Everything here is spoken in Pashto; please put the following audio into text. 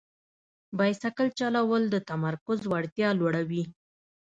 بایسکل چلول د تمرکز وړتیا لوړوي.